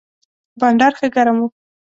بانډار ښه ګرم و.